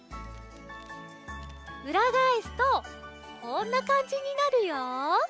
うらがえすとこんなかんじになるよ。